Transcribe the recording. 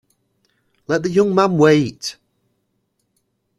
Let the young man wait.